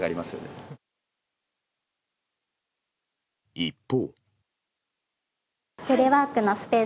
一方。